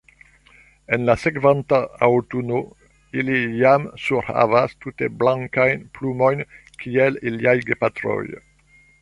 En la sekvanta aŭtuno ili jam surhavas tute blankajn plumojn kiel iliaj gepatroj.